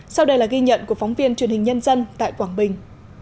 sau đây là ghi nhận của phóng viên truyền hình nhân dân tại quảng bình